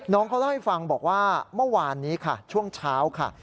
น้องเขาเล่าให้ฟังบอกว่าเมื่อวานนี้ค่ะช่วงเช้าค่ะ